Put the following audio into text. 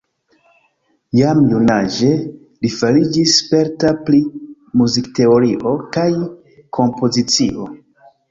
Jam junaĝe li fariĝis sperta pri muzikteorio kaj kompozicio.